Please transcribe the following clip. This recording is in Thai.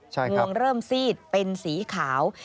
ใช่ครับงวงเริ่มซีดเป็นสีขาว